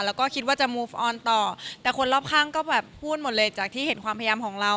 แล้วก็คิดว่าจะมูฟออนต่อแต่คนรอบข้างก็แบบพูดหมดเลยจากที่เห็นความพยายามของเรา